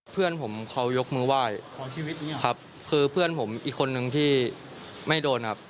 เพื่อนผมเขายกมือไหว้ขอชีวิตครับคือเพื่อนผมอีกคนนึงที่ไม่โดนครับ